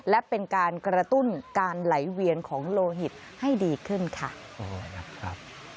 และเป็นการกระตุ้นการไหลเวียนของโลหิตให้ดีขึ้นค่ะ